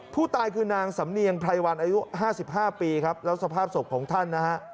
ผู้ตายคือนางสำเนียงไพรวันอายุ๕๕ปีครับแล้วสภาพศพของท่านนะฮะ